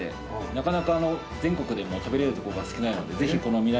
なかなか全国でも食べられるところが少ないのでぜひこの未来